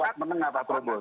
kelas menengah pak trubus